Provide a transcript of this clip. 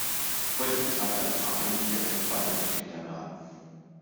Heute betreibt ein Verein hier einen Waldorfkindergarten.